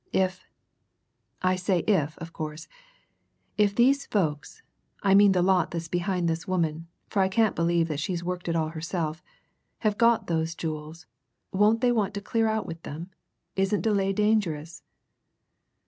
"If I say if, of course if these folks I mean the lot that's behind this woman, for I can't believe that she's worked it all herself have got those jewels, won't they want to clear out with them? Isn't delay dangerous?"